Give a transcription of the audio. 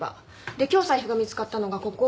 で今日財布が見つかったのがここ。